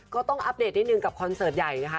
ก็ต้องอัพเดทนิดหนึ่งกับคอนเสิร์ตใหญ่นะคะ